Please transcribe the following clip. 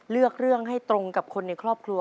เลือกเรื่องให้ตรงกับคนในครอบครัว